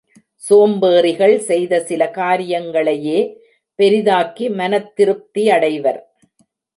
சோம்பேறிகள் செய்த சில காரியங்களையே பெரிதாக்கி மனத் திருப்தியடைவர்.